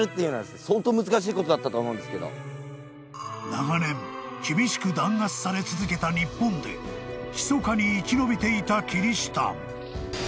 ［長年厳しく弾圧され続けた日本でひそかに生き延びていたキリシタン］